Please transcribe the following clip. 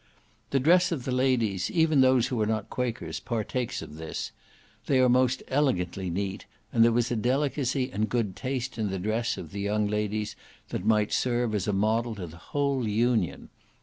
The dress of the ladies, even those who are not Quakers, partakes of this; they are most elegantly neat, and there was a delicacy and good taste in the dress of the young ladies that might serve as a model to the whole Union.